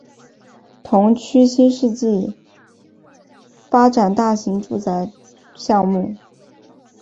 同区新世界发展大型住宅项目